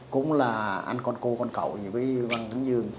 cũng là anh con cô con cậu với văn kinh dương